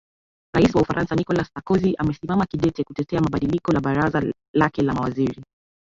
rais wa ufaransa nicolas sarkozy amesimama kidete kutetea mabadiliko la baraza lake la mawaziri